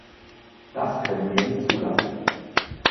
Das können wir nicht zulassen!